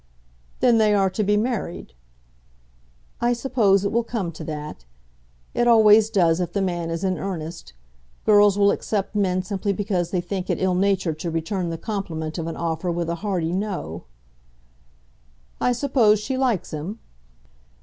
"Then they are to be married?" "I suppose it will come to that. It always does if the man is in earnest. Girls will accept men simply because they think it ill natured to return the compliment of an offer with a hearty 'No.'" "I suppose she likes him?"